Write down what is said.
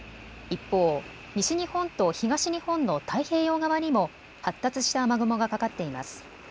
一方、西日本と東日本の太平洋側にも発達した雨雲がかかっています。